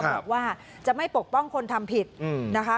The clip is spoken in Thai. บอกว่าจะไม่ปกป้องคนทำผิดนะคะ